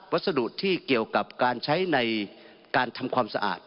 วัสดุที่เกี่ยวกับการใช้ในการทำความสะอาด